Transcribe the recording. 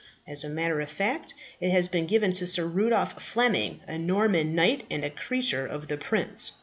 As a matter of fact, it has been given to Sir Rudolph Fleming, a Norman knight and a creature of the prince.